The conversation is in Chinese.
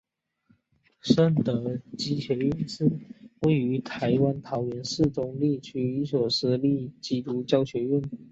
圣德基督学院是位于台湾桃园市中坜区的一所私立基督教学院。